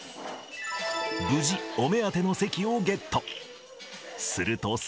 無事、お目当ての席をゲット。